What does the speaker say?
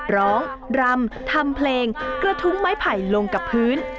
รำทำเพลงกระทุ้งไม้ไผ่ลงกับพื้น